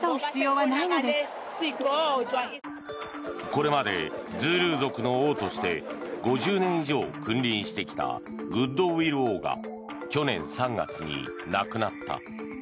これまでズールー族の王として５０年以上君臨してきたグッドウィル王が去年３月に亡くなった。